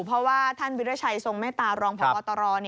เพราะว่าท่านวิราชัยทรงเมตตารองพบตร